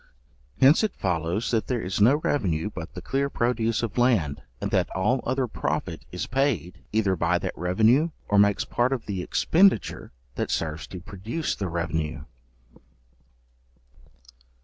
Hence it follows, that there is no revenue but the clear produce of land, and that all other profit is paid, either by that revenue, or makes part of the expenditure that serves to produce the revenue.